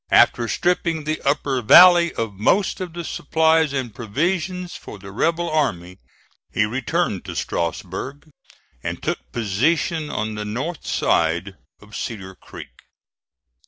After stripping the upper valley of most of the supplies and provisions for the rebel army, he returned to Strasburg, and took position on the north side of Cedar Creek.